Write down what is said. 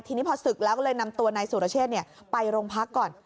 ทีนี้พอศึกแล้วก็เลยนำตัวนายสุรเชษไปโรงพักก่อน